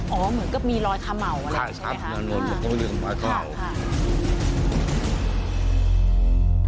อ๋อเหมือนกับมีรอยคำเห๋ามั้วนะครับ